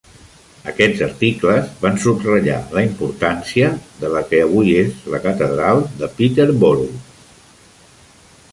Aquests articles van subratllar la importància de la que avui és la catedral de Peterborough.